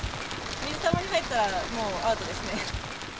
水たまりに入ったら、もうアウトですね。